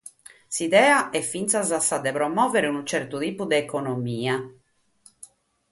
S'idea est fintzas sa de promòvere unu tzertu tipu de economia.